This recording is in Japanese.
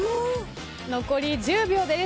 残り１０秒です。